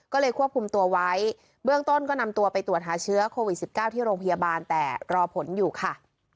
ก็เลยควบคุมตัวไว้เบื้องต้นก็นำตัวไปตรวจหาเชื้อโควิด๑๙ที่โรงพยาบาลแต่รอผลอยู่ค่ะ